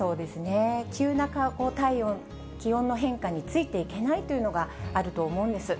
急な気温の変化についていけないというのがあると思うんです。